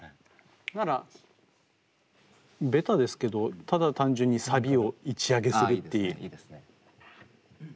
ならベタですけどただ単純にサビを１上げするっていう。